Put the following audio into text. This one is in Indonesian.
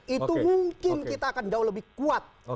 itu mungkin kita akan jauh lebih kuat